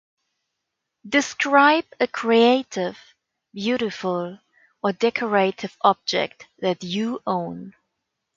Describe a creative, beautiful, or decorative object that you own.